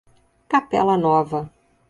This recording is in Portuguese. Capela Nova